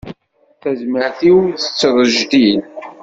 Tazmert-im tettrejdil.